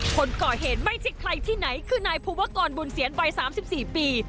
คนก่อเหตุไม่ใช่ใครที่ไหนคือนายภูวกรบุญเซียนวัย๓๔ปี